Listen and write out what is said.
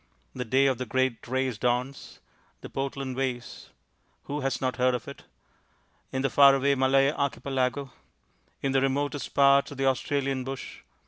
The day of the great race dawns. The Portland Vasel Who has not heard of it? In the far away Malay Archipelago... in the remotest parts of the Australian bush...